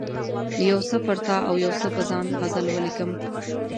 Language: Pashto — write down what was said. یو څه پر تا او یو څه پر ځان غزل ولیکم.